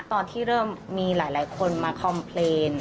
ตอนที่เริ่มมีหลายคนมาคอมเพลน